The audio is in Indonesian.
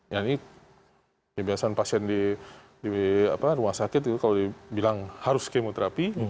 ya ini kebiasaan pasien di rumah sakit itu kalau dibilang harus kemoterapi